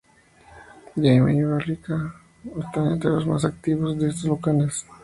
Llaima y Villarrica están entre los más activos de estos volcanes.